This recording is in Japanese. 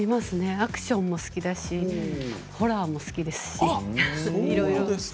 アクションも好きだしホラーも好きです。